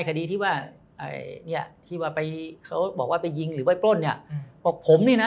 คดีที่เขาบอกว่าไปยิงหรือปล้นเนี่ยผมนี่นะ